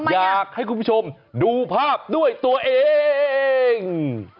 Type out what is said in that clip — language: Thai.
อยากให้คุณผู้ชมดูภาพด้วยตัวเอง